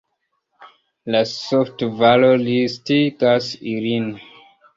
La softvaro listigas ilin.